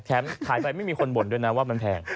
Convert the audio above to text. ขายไปไม่มีคนบ่นด้วยนะว่ามันแพง